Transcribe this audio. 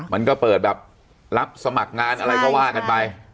มันก็เปิดแบบรับสมัครงานอะไรก็ว่ากันไป